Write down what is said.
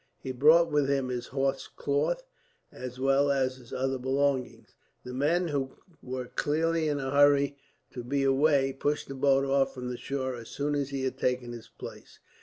He brought with him his horse cloth as well as his other belongings. The men, who were clearly in a hurry to be away, pushed the boat off from the shore as soon as he had taken his place.